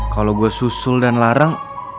kalau gue susul dan larang